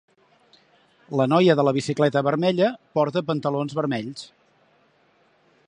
La noia de la bicicleta vermella porta pantalons vermells.